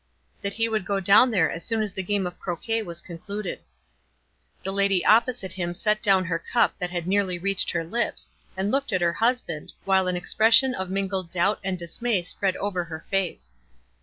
" That he would go down there as soon as the game of croquet was concluded." The lady opposite him set down her cup that had nearly reached her lips and looked at her husband, while an expression of mingled doubt and dismay spread over her face.